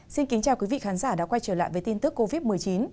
xin kính chào quý vị khán giả đã quay trở lại với tin tức covid một mươi chín